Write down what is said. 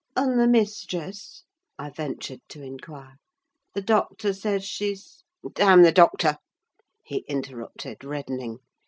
"And the mistress?" I ventured to inquire; "the doctor says she's—" "Damn the doctor!" he interrupted, reddening.